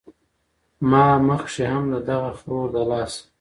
ما مخکښې هم د دغه خرو د لاسه